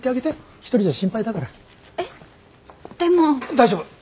大丈夫。